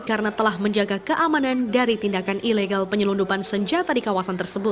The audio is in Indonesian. karena telah menjaga keamanan dari tindakan ilegal penyelundupan